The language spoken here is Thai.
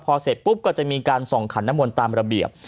พอเสร็จปุ๊บก็จะมีการส่องขันน้ำมนต์ตามระเบียบ